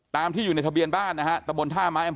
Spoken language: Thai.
ตามที่อยู่ในทะเบียนบ้านตะบนน์ธ่ามา